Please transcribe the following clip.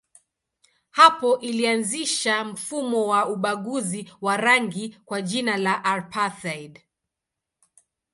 Hapo ilianzisha mfumo wa ubaguzi wa rangi kwa jina la apartheid.